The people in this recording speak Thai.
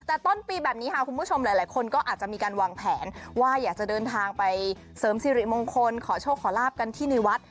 แต่ต้นปีแบบนี้ค่ะคุณผู้ชมหลายคนก็อาจจะมีการวางแผนว่าอยากจะเดินทางไปเสริมสิริมงคลขอโชคขอลาบกันที่ในวัด